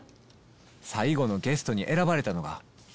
最後のゲストに選ばれたのが